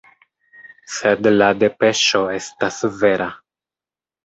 Sed la depeŝo estas vera.